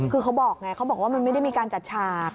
คือเขาบอกไงเขาบอกว่ามันไม่ได้มีการจัดฉาก